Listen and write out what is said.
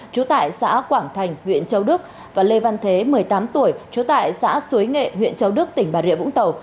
trú tại xã quảng thành huyện châu đức và lê văn thế một mươi tám tuổi trú tại xã suối nghệ huyện châu đức tỉnh bà rịa vũng tàu